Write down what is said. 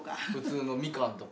普通のミカンとか。